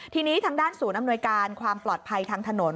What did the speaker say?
ทีนี้ทางด้านศูนย์อำนวยการความปลอดภัยทางถนน